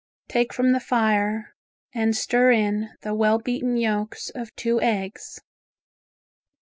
Take from the fire and stir in the well beaten yolks of two eggs.